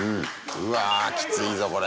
うわきついぞこれ。